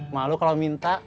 malu kalau minta